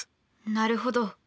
なるほど。